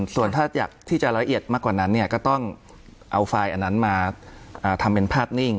ส่วนถ้าอยากที่จะละเอียดมากกว่านั้นเนี่ยก็ต้องเอาไฟล์อันนั้นมาทำเป็นภาพนิ่ง